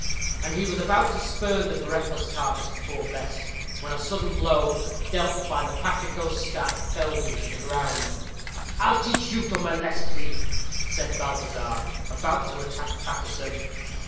And he was about to spurn the breathless carcase of poor Bess, when a sudden blow, dealt by the patrico's staff, felled him to the ground. "I'll teach you to molest me," said Balthazar, about to attack Paterson.